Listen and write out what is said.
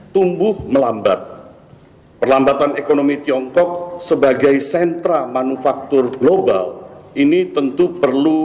tumbuh melambat perlambatan ekonomi tiongkok sebagai sentra manufaktur global ini tentu perlu